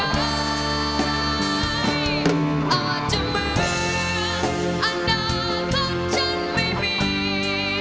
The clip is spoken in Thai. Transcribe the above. อาจจะเหมือนอนาคตฉันไม่มี